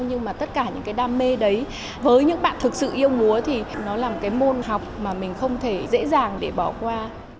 nhưng mà tất cả những cái đam mê đấy với những bạn thực sự yêu múa thì nó là một cái môn học mà mình không thể dễ dàng để bỏ qua